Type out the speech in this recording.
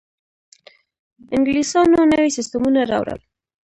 انګلیسانو نوي سیستمونه راوړل.